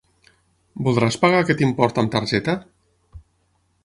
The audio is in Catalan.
Voldràs pagar aquest import amb targeta?